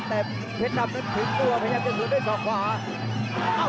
แต่เพชรดำนั้นถึงตัวพยายามจะคืนด้วยศอกขวา